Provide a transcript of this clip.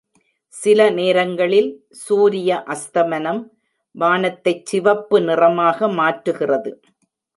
சில நேரங்களில் சூரிய அஸ்தமனம் வானத்தைச் சிவப்பு நிறமாக மாற்றுகிறது.